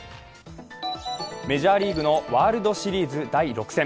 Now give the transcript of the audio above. メジャーリーグのワールドシリーズ第６戦。